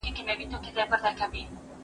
ښارونه د پرمختللي تمدن نښه ده.